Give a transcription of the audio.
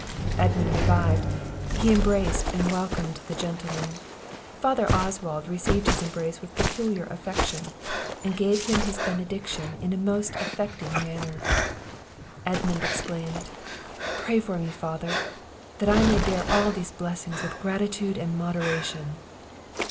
Edmund revived, he embraced and welcomed the gentlemen. Father Oswald received his embrace with peculiar affection, and gave him his benediction in a most affecting manner. Edmund exclaimed, "Pray for me, father! that I may bear all these blessings with gratitude and moderation!"